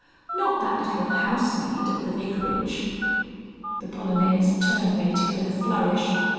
Not that little housemaid at the Vicarage ?..." The Polonaise terminated with a flourish.